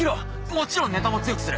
もちろんネタも強くする。